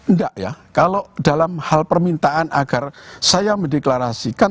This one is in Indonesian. enggak ya kalau dalam hal permintaan agar saya mendeklarasikan